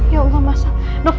ya allah mas al